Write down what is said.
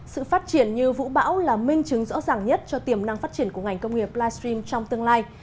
sự phát triển như vũ bão là minh chứng rõ ràng nhất cho tiềm năng phát triển của ngành công nghiệp livestream trong tương lai